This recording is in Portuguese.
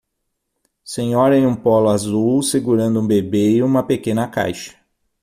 Senhora em um polo azul segurando um bebê e uma pequena caixa.